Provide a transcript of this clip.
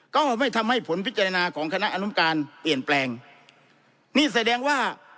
ก็ไม่ทำให้ผลพิจารณาของคณะอนุการเปลี่ยนแปลงนี่แสดงว่า